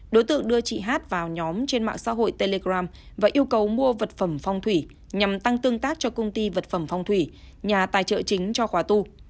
đối tượng đưa chị hát vào nhóm trên mạng xã hội telegram và yêu cầu mua vật phẩm phong thủy nhằm tăng tương tác cho công ty vật phẩm phong thủy nhà tài trợ chính cho khóa tu